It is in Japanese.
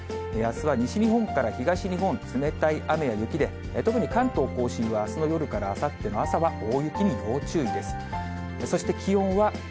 あすは西日本から東日本、冷たい雨や雪で、特に関東甲信はあすの夜からあさっての朝は、